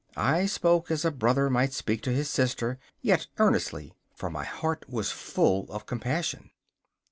I spoke as a brother might speak to his sister, yet earnestly, for my heart was full of compassion.